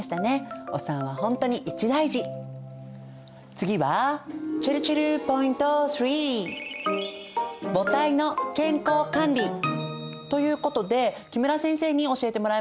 次はちぇるちぇるポイント３ということで木村先生に教えてもらいましょう。